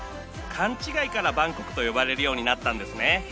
勘違いから「バンコク」と呼ばれるようになったんですね